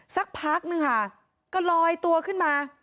สักพักนึงค่ะก็ลอยตัวขึ้นมา